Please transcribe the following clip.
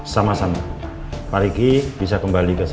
sama sama pak riki bisa kembali ke saya